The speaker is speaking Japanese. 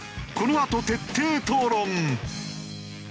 このあと徹底討論。